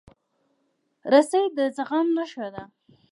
رسۍ د زغم نښه ده.